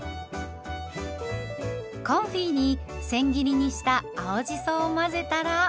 コンフィにせん切りにした青じそを混ぜたら。